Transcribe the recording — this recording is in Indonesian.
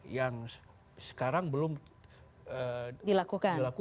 yang sekarang belum dilakukan